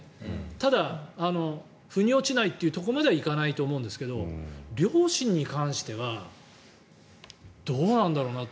ただ、腑に落ちないというところまでは行かないと思うんですけど両親に関してはどうなんだろうなと。